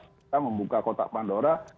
kita membuka kotak pandora